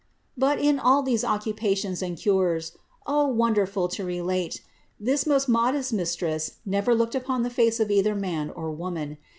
But in all these occupations and cures (O wonderful to 572 CITY OF GOD relate!) this most modest Mistress never looked upon the face of either man or woman.